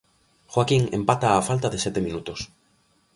Joaquín empata á falta de sete minutos.